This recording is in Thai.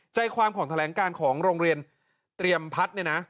ใจความของแถลงการของโรงเรียนเตรียมพัฒน์เนี่ยนะ